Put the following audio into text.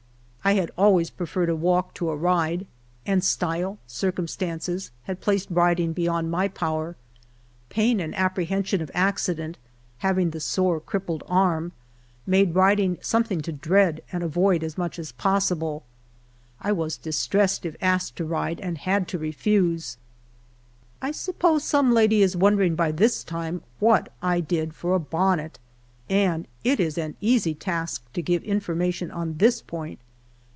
I had always preferred a walk to a ride, and style, circumstances, had placed riding beyond my power. Pain and apprehension of accident, having the sore, crippled arm, made riding something to dread and avoid as much as possible. I was distressed if asked to ride, and had to refuse. I suppose some lady is wondering by this time what I did for a bonnet, and it is an easy task to give information on this point.